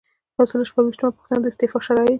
یو سل او شپږ ویشتمه پوښتنه د استعفا شرایط دي.